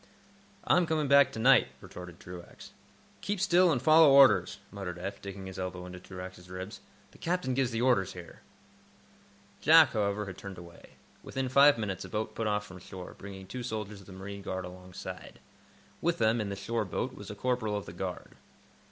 "I'm coming back to night," retorted Truax. "Keep still, and follow orders," muttered Eph, digging his elbow into Truax's ribs. "The captain gives the orders here." Jack, however, had turned away. Within five minutes a boat put off from shore, bringing two soldiers of the marine guard alongside. With them, in the shore boat, was a corporal of the guard.